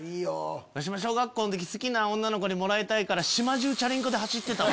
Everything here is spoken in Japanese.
わしも小学校の時好きな女の子にもらいたいから島じゅうチャリンコで走ってた。